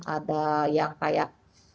ada yang kayak